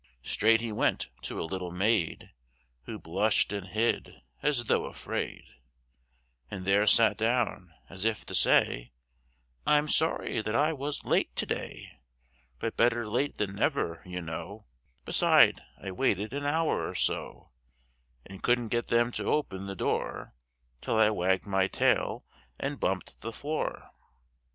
Straight he went to a little maid, Who blushed and hid, as though afraid, And there sat down, as if to say, "I'm sorry that I was late today, But better late than never, you know; Beside, I waited an hour or so, And couldn't get them to open the door Till I wagged my tail and bumped the floor.